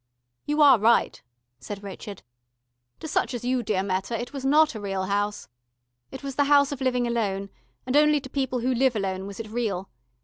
"You are right," said Richard. "To such as you, dear Meta, it was not a real house. It was the House of Living Alone, and only to people who live alone was it real.